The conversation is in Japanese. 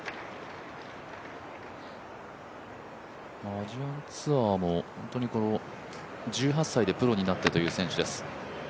アジアンツアーも１８歳でプロになってという選手です。